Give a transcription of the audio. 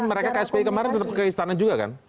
tapi mereka ke spi kemarin tetap ke istana juga kan